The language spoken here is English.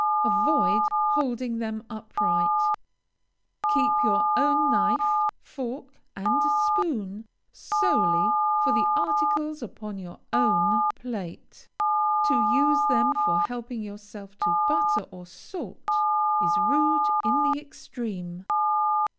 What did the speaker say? Avoid holding them upright. Keep your own knife, fork, and spoon solely for the articles upon your own plate. To use them for helping yourself to butter or salt, is rude in the extreme.